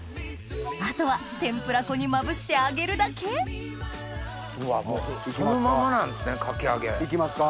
あとは天ぷら粉にまぶして揚げるだけうわっもうそのままなんすねかき揚げ。